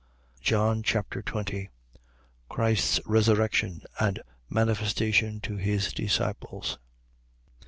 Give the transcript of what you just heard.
John Chapter 20 Christ's resurrection and manifestation to his disciples.